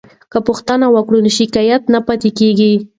که پوښتنه وکړو نو شک نه پاتې کیږي.